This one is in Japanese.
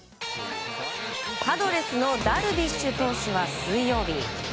パドレスのダルビッシュ投手は水曜日。